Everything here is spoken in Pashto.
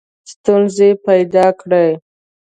ستونزي پیدا کړې.